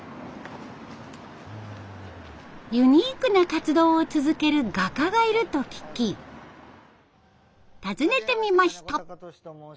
ユニークな活動を続ける画家がいると聞き訪ねてみました。